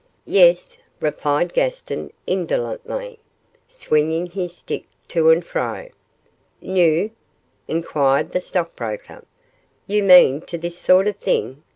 'Yes,' replied Gaston, indolently, swinging his stick to and fro. 'New?' inquired the stockbroker. 'You mean to this sort of thing?